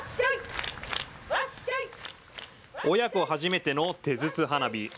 親子初めての手筒花火。